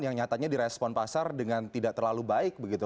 yang nyatanya direspon pasar dengan tidak terlalu baik begitu